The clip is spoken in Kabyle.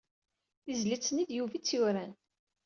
Tizlit-nni d Yuba ay tt-yuran.